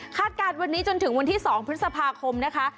การวันนี้จนถึงวันที่๒พฤษภาคมนะคะ